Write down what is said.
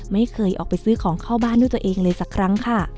ไม่เคยออกไปซื้อของเข้าบ้านด้วยตัวเองเลยสักครั้งค่ะ